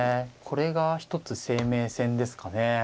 これが一つ生命線ですかね。